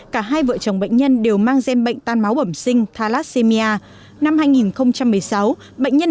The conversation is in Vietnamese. cả hai vợ chồng bệnh nhân đều mang gen bệnh tan máu bẩm sinh thalassemia năm hai nghìn một mươi sáu bệnh nhân